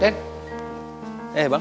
tante mau ke mana